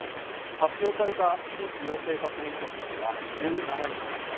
発表された新規陽性確認者数は１７人でした。